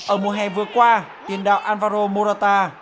ở mùa hè vừa qua tiền đạo alvaro morata